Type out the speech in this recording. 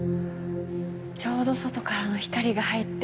ちょうど外からの光が入って。